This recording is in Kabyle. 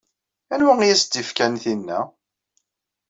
Anwa i as-d-ifkan tinna?